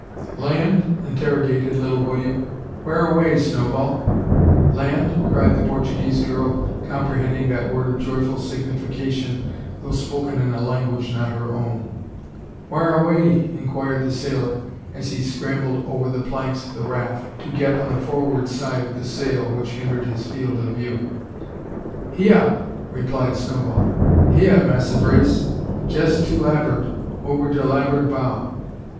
"Land?" interrogated little William. "Whereaway, Snowball?" "Land?" cried the Portuguese girl, comprehending that word of joyful signification, though spoken in a language not her own. "Whar away?" inquired the sailor, as he scrambled over the planks of the raft, to get on the forward side of the sail, which hindered his field of view. "Hya!" replied Snowball. "Hya, Massa Brace, jess to la'bord, ober de la'bord bow."